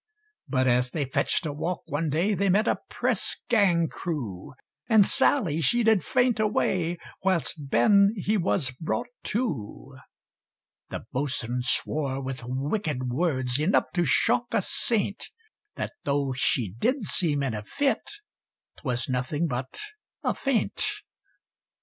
But as they fetch'd a walk one day, They met a press gang crew; And Sally she did faint away, Whilst Ben he was brought to. The Boatswain swore with wicked words, Enough to shock a saint. That though she did seem in a fit, 'Twas nothing but a feint.